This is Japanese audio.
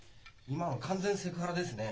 今の完全セクハラですね。